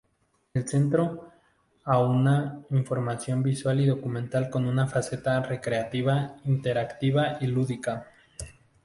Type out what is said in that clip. El centro aúna información visual y documental con una faceta recreativa, interactiva y lúdica.